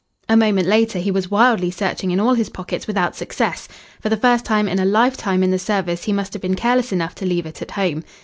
A moment later he was wildly searching in all his pockets without success. For the first time in a lifetime in the service he must have been careless enough to leave it at home.